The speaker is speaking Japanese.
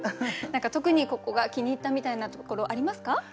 何か特にここが気に入ったみたいなところありますか？